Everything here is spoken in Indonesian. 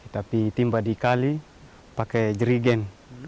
tapi timba dikali pakai jerigen